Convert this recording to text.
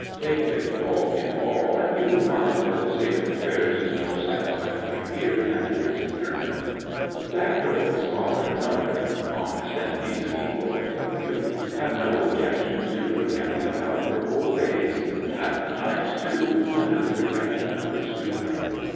Take it all in all, and you will find that the state of affairs is more satisfactory here than it is in Germany. That girl's father and mother honest and decent people, I tell you have no objection to her gadding about for whole days, and half the nights, too, under the protection of her sweetheart.